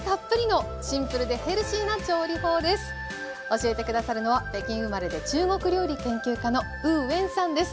教えて下さるのは北京生まれで中国料理研究家のウー・ウェンさんです。